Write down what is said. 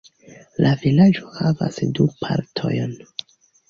La vilaĝo havas du partojn.